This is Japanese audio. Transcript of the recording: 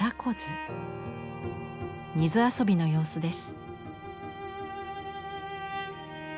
水遊びの様子です。